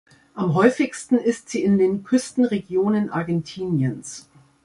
Am häufigsten ist sie in den Küstenregionen Argentiniens.